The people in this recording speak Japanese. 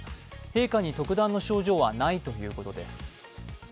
陛下に特段の症状はないということです。